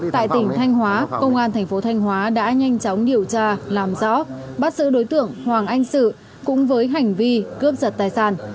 tại tỉnh thanh hóa công an thành phố thanh hóa đã nhanh chóng điều tra làm rõ bắt giữ đối tượng hoàng anh sự cũng với hành vi cướp giật tài sản